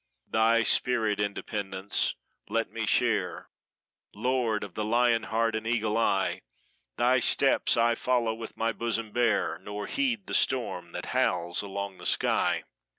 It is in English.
"Thy spirit, Independence, let me share, Lord of the lion heart and eagle eye; Thy steps I follow with my bosom bare, Nor heed the storm that howls along the sky."